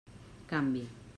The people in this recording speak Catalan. Canvi.